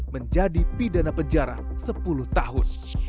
menjadi pidana penjara sepuluh tahun